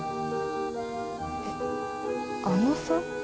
えっあのさ？